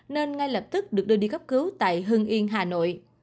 nên ngay lập tức được đưa đi cấp cứu tại hưng yên hà nội